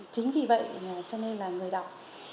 chính vì vậy cho nên là người đọc